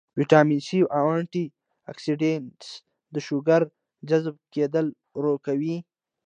وټامن سي او انټي اکسيډنټس د شوګر جذب کېدل ورو کوي